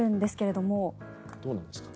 どうなんですか？